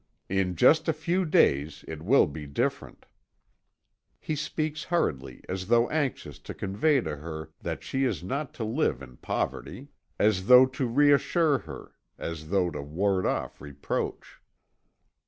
In just a few days it will be different." He speaks hurriedly as though anxious to convey to her that she is not to live in poverty; as though to reassure her; as though to ward off reproach.